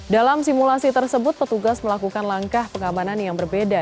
dalam simulasi tersebut petugas melakukan langkah pengamanan yang berbeda